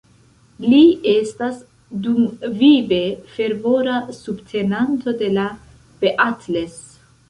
Li estas dumvive fervora subtenanto de la "Beatles".